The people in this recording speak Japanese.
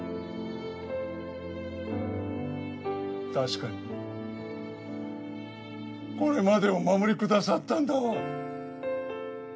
確かにこれまでお守りくださったんだわ。